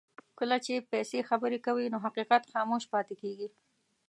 کله چې پیسې خبرې کوي نو حقیقت خاموش پاتې کېږي.